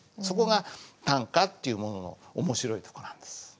そこが短歌っていうものの面白いとこなんです。